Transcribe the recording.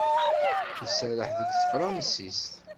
Iserreḥ deg tefṛansit.